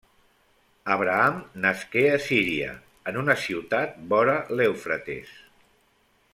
Abraham nasqué a Síria, en una ciutat vora l'Eufrates.